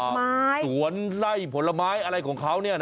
สวนไล่ผลไม้อะไรของเขา